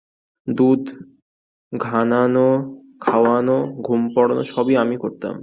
দুধ ঘানানো, খাওয়ানো, ঘুম পড়ানো-সবই আমি করতাম।